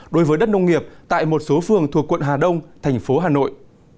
đối với đất nông nghiệp tại một số phường thuộc quận hà đông tp hà nội